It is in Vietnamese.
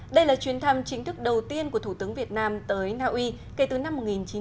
đây là chuyến thăm chính thức đầu tiên của thủ tướng việt nam tới naui kể từ năm một nghìn chín trăm chín mươi